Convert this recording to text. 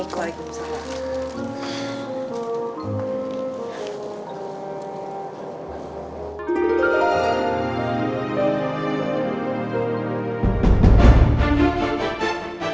gue pulang dulu ya